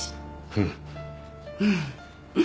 うん。